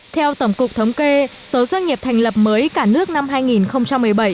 theo tổng cục thống kê số doanh nghiệp thành lập mới cả nước năm hai nghìn một mươi bảy